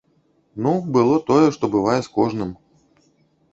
Ну, было тое, што бывае з кожным.